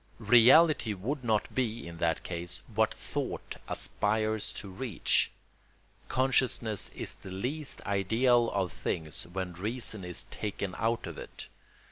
Reality would not be, in that case, what thought aspires to reach. Consciousness is the least ideal of things when reason is taken out of it.